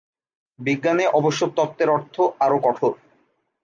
বিজ্ঞানে অবশ্য তত্ত্বের অর্থ আরও কঠোর।